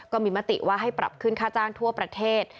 มติว่าให้ปรับขึ้นค่าจ้างทั่วประเทศ